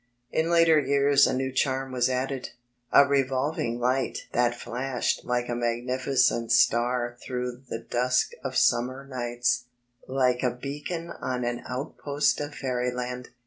In later years a new charm was added, a revolv ing light that flashed like a magnificent star through the dusk of summer nights, like a beacon on an outpost of fairyland.